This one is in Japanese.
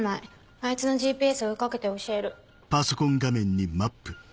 あいつのＧＰＳを追い掛けて教える。